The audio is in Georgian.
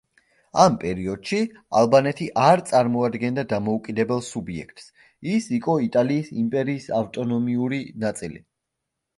ამ პერიოდში ალბანეთი არ წარმოადგენდა დამოუკიდებელ სუბიექტს, ის იყო იტალიის იმპერიის ავტონომიური ნაწილი.